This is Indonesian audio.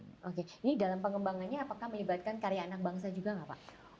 oke ini dalam pengembangannya apakah melibatkan karya anak bangsa juga nggak pak